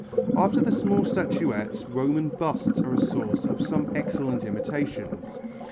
After the small statuettes, Roman busts are a source of some excellent imitations.